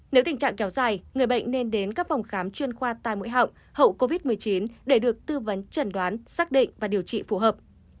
nếu tình trạng kéo dài người bệnh nên đến các phòng khám chuyên khoa tai mũi họng hậu covid một mươi chín để được tư vấn trần đoán xác định và điều trị phù hợp